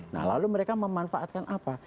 nah lalu mereka memanfaatkan apa